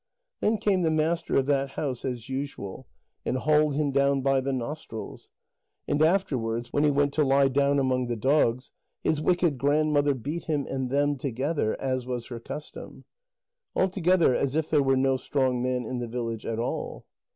Then came the master of that house, as usual, and hauled him down by the nostrils. And afterwards, when he went to lie down among the dogs, his wicked grandmother beat him and them together, as was her custom. Altogether as if there were no strong man in the village at all.